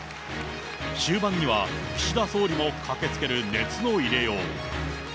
終盤には岸田総理も駆けつける熱の入れよう。